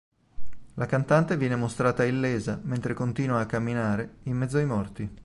La cantante viene mostrata illesa, mentre continua a camminare in mezzo ai morti.